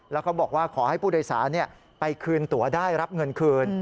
แล้วเขาบอกว่าขอให้ผู้โดยสารไปคืนตัวได้รับเงินคืน